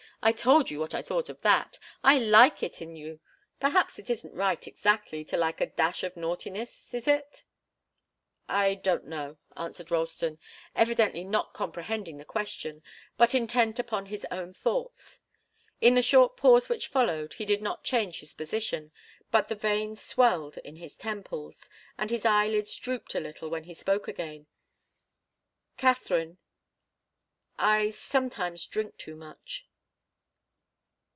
I told you what I thought of that I like it in you. Perhaps it isn't right, exactly, to like a dash of naughtiness is it?" "I don't know," answered Ralston, evidently not comprehending the question, but intent upon his own thoughts. In the short pause which followed he did not change his position, but the veins swelled in his temples, and his eyelids drooped a little when he spoke again. "Katharine I sometimes drink too much."